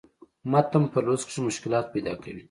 متن پۀ لوست کښې مشکلات پېدا کوي